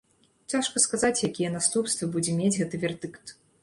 Цяжка сказаць, якія наступствы будзе мець гэты вердыкт.